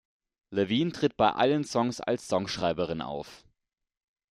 Lavigne tritt bei allen Songs als Songschreiberin auf.